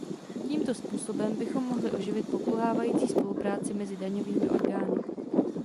Tímto způsobem bychom mohli oživit pokulhávající spolupráci mezi daňovými orgány.